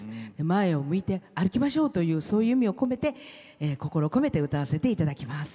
前を向いて歩きましょうというそういう意味を込めて心を込めて歌わせていただきます。